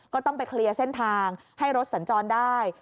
ก็ต้องไปเคลียร์เส้นทางให้รถสัญจรได้